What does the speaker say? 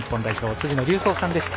辻野隆三さんでした。